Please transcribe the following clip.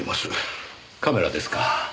カメラですか。